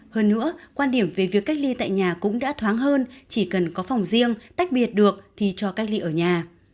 hơn nữa quan điểm về việc cách ly tại nhà cũng đã thoáng hơn chỉ cần có phòng riêng tách biệt được thì cho cách ly ở nhà